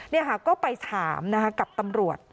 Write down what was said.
นี่ค่ะก็ไปถามนะคะกับตำรวจ